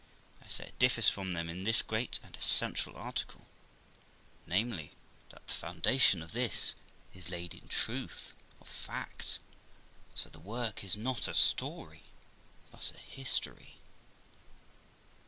I say, it differs from them in this great and essential article, namely, that the foundation of this is laid in truth of fact ; and so the work is not a story, but a history.